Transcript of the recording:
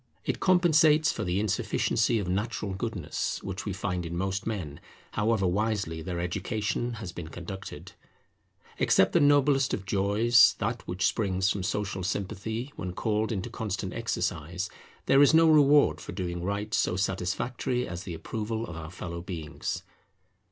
It compensates for the insufficiency of natural goodness which we find in most men, however wisely their education has been conducted. Except the noblest of joys, that which springs from social sympathy when called into constant exercise, there is no reward for doing right so satisfactory as the approval of our fellow beings.